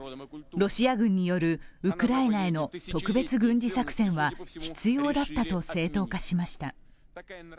ロシア軍によるウクライナへの特別軍事作戦は必要だったと正当化しました。